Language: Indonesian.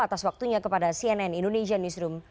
atas waktunya kepada cnn indonesia newsroom